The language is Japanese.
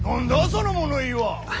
その物言いは！